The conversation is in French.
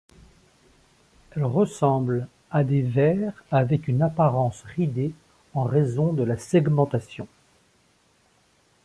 Elles ressemblent à des vers avec une apparence ridée en raison de la segmentation.